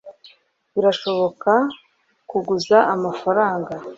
birashoboka kuguza amafaranga